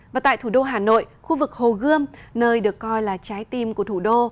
và tại thủ đô hà nội khu vực hồ gươm nơi được coi là trái tim của thủ đô